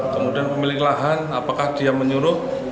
kemudian pemilik lahan apakah dia menyuruh